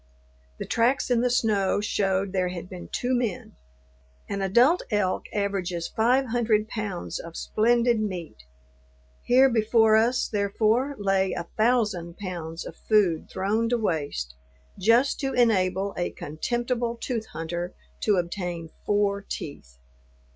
The tracks in the snow showed there had been two men. An adult elk averages five hundred pounds of splendid meat; here before us, therefore, lay a thousand pounds of food thrown to waste just to enable a contemptible tooth hunter to obtain four teeth.